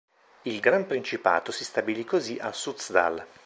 Il gran principato si stabilì così a Suzdal'.